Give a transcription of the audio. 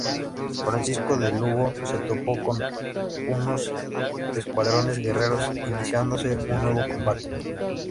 Francisco de Lugo se topó con unos escuadrones guerreros, iniciándose un nuevo combate.